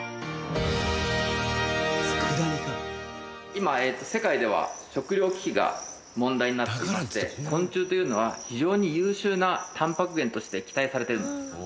今世界では食料危機が問題になっていまして昆虫というのは非常に優秀なタンパク源として期待されているんです。